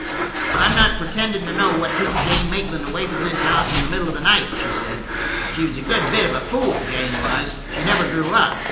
"I'm not pretending to know what took Jane Maitland away from this house in the middle of the night," she said. "She was a good bit of a fool, Jane was; she never grew up.